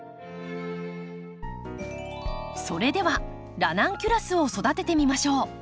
それではラナンキュラスを育ててみましょう。